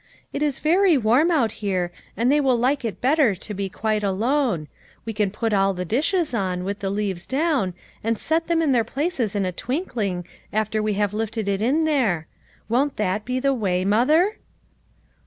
" It is very warm out here, and they will like it better to be quite alone ; we can put all the dishes on, with the leaves down, and set them in their places in a twinkling, after we have lifted it in there. Won't that be the way, mother